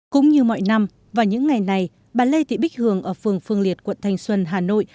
cũng như mọi năm vào những ngày này bà lê thị bích hường ở phường phương liệt quận thanh xuân hà nội